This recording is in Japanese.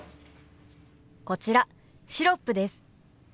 こちらシロップです。